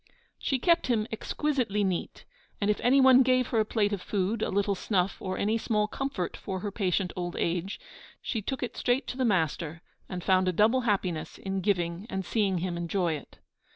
She kept him exquisitely neat, and if anyone gave her a plate of food, a little snuff, or any small comfort for her patient old age, she took it straight to the 'master,' and found a double happiness in giving and seeing him enjoy it.